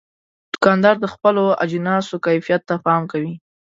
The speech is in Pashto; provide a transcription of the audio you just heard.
دوکاندار د خپلو اجناسو کیفیت ته پام کوي.